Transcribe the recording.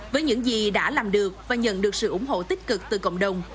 với những gì đã làm được và nhận được sự ủng hộ tích cực từ cộng đồng